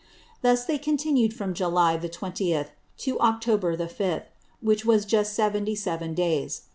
Thus they continued from July the Twentieth, to October the Fifth, which was just Seventy Seven Days.